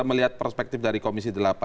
melihat perspektif dari komisi delapan